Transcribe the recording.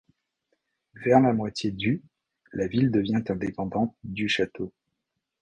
Vers la moitié du la ville devient indépendante du château.